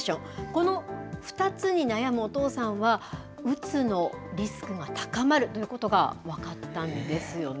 この２つに悩むお父さんは、うつのリスクが高まるということが分かったんですよね。